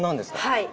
はい。